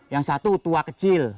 yang satu tua kecil